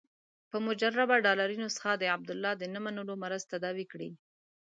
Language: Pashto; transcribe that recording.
په مجربه ډالري نسخه د عبدالله د نه منلو مرض تداوي کړي.